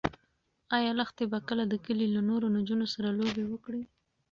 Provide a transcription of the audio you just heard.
ایا لښتې به کله د کلي له نورو نجونو سره لوبې وکړي؟